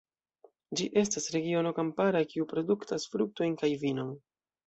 Ĝi estas regiono kampara, kiu produktas fruktojn kaj vinon.